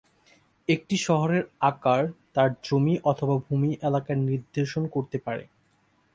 একটি শহরের "আকার" তার জমি অথবা ভূমি এলাকা নির্দেশ করতে পারে।